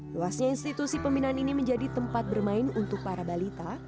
luasnya institusi pembinaan ini menjadi tempat bermain untuk para balita